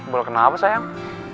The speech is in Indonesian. boleh kenapa sayang